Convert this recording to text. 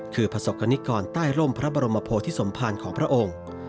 คือประสบกรณิกรใต้ร่มพระบรมโพธิสมภารของพระองค์